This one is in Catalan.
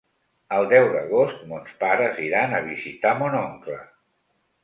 El deu d'agost mons pares iran a visitar mon oncle.